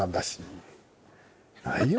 ないよ